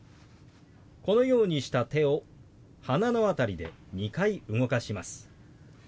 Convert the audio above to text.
このようにした手を鼻の辺りで２回動かします。